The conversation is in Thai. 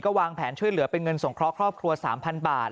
วางแผนช่วยเหลือเป็นเงินสงเคราะห์ครอบครัว๓๐๐บาท